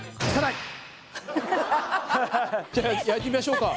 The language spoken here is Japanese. じゃあ焼いていきましょうか。